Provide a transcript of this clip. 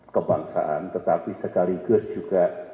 kebangsaan tetapi sekaligus juga